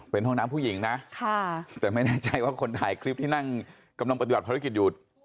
เป็นห้องน้ำผู้หญิงนะแต่ไม่แน่ใจว่าคนถ่ายคลิปที่นั่งกำลังปฏิบัติภารกิจอยู่